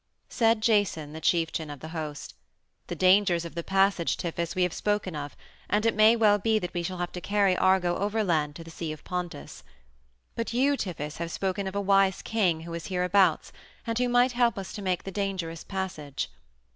Said Jason, the chieftain of the host: "The dangers of the passage, Tiphys, we have spoken of, and it may be that we shall have to carry Argo overland to the Sea of Pontus. But You, Tiphys, have spoken of a wise king who is hereabouts, and who might help us to make the dangerous passage.